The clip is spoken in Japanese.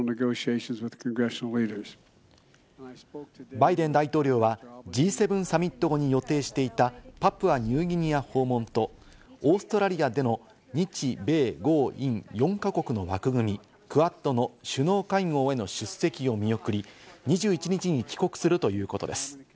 バイデン大統領はＧ７サミット後に予定していたパプアニューギニア訪問と、オーストラリアでの日米豪印４か国の枠組み＝クアッドの首脳会合への出席を見送り、２１日に帰国するということです。